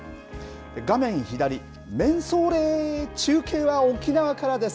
画面左、めんそーれ、中継は沖縄からです。